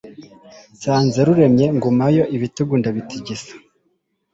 nsanze ruremye ngumayo ibitugu ndabitigisa